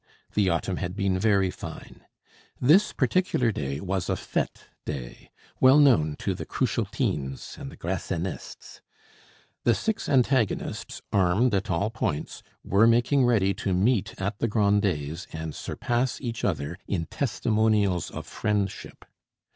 The autumn had been very fine. This particular day was a fete day well known to the Cruchotines and the Grassinists. The six antagonists, armed at all points, were making ready to meet at the Grandets and surpass each other in testimonials of friendship.